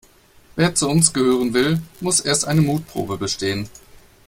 Wer zu uns gehören will, muss erst eine Mutprobe bestehen.